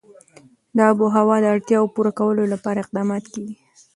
د آب وهوا د اړتیاوو پوره کولو لپاره اقدامات کېږي.